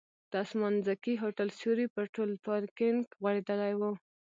د اسمانځکي هوټل سیوری پر ټول پارکینک غوړېدلی و.